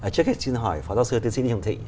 trước khi xin hỏi phó giáo sư tiến sĩ nguyễn hồng thị